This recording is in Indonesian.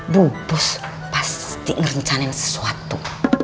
bu bos pasti ngerencanain sesuatu